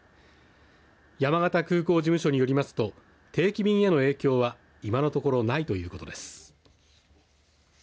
山形空港事務所によりますと定期便への影響は今のところないということです。